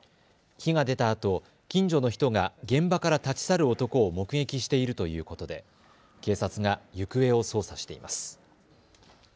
火が出たあと近所の人が現場から立ち去る男を目撃しているということで警察が行方を捜査しています。